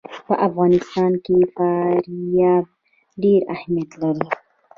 په افغانستان کې فاریاب ډېر اهمیت لري.